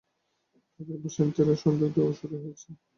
তাঁদের বাসায় ইন্টারনেট সংযোগ দেওয়া শুরু হয়েছে।